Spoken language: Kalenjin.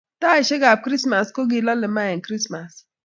Taeshek ab krismas ko kilale ma eng krismas